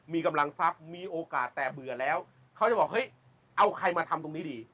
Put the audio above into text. มีกำลังทรัพย์มีโอกาสแต่เบื่อแล้วเขาจะบอกเฮ้ยเอาใครมาทำตรงนี้ดี